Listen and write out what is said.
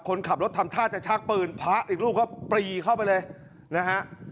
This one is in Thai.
คนขับรถทำท่าจะชักปืนพระอีกรูปก็ปรีเข้าไปเลยนะฮะ